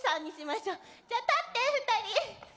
じゃあ立って２人。